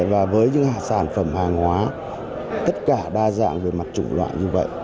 và với những sản phẩm hàng hóa tất cả đa dạng về mặt chủng loại như vậy